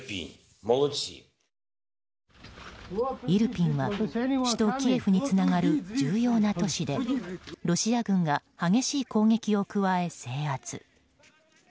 イルピンは首都キエフにつながる重要な都市でロシア軍が激しい攻撃を加え制圧。